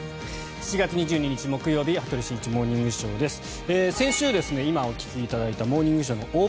７月２２日、木曜日「羽鳥慎一モーニングショー」。